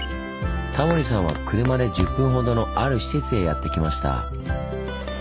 タモリさんは車で１０分ほどのある施設へやって来ました。